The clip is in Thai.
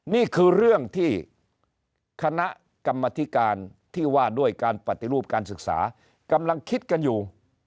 นี่คือเรื่องที่คณะกรรมธิการที่ว่าด้วยการปฏิรูปการศึกษากำลังคิดกันอยู่